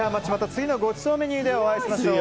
次のごちそうメニューでお会いしましょう。